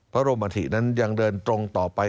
พระบรมภิกษานนั้นยังเดินตรงต่อไป